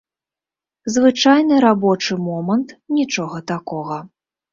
Звычайны рабочы момант, нічога такога.